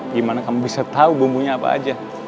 gimana kamu bisa tahu bumbunya apa aja